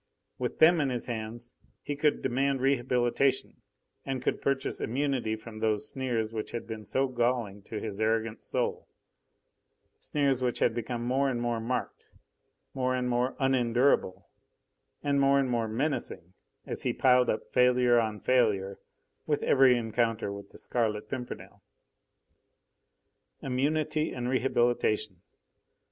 With them in his hands, he could demand rehabilitation, and could purchase immunity from those sneers which had been so galling to his arrogant soul sneers which had become more and more marked, more and more unendurable, and more and more menacing, as he piled up failure on failure with every encounter with the Scarlet Pimpernel. Immunity and rehabilitation!